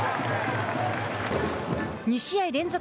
２試合連続